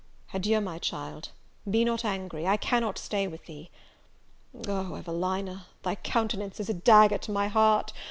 Adieu, my child; be not angry, I cannot stay with thee; Oh, Evelina! thy countenance is a dagger to my heart!